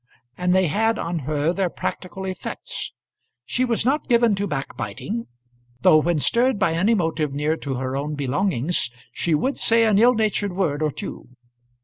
And they had on her their practical effects. She was not given to backbiting though, when stirred by any motive near to her own belongings, she would say an ill natured word or two.